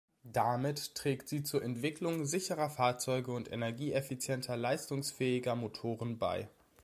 Damit trägt sie zur Entwicklung sicherer Fahrzeuge und energieeffizienter, leistungsfähiger Motoren bei.